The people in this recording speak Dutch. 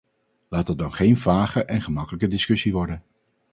Laat het dan geen vage en gemakkelijke discussie worden.